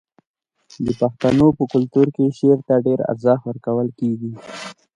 د پښتنو په کلتور کې شعر ته ډیر ارزښت ورکول کیږي.